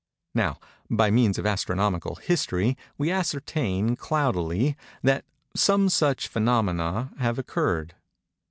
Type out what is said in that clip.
Now, by means of astronomical History, we ascertain, cloudily, that some such phænomena have occurred.